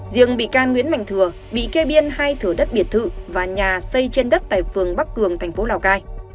riêng bị can nguyễn mạnh thừa bị kê biên hai thửa đất biệt thự và nhà xây trên đất tại phường bắc cường thành phố lào cai